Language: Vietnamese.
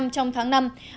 trong tháng năm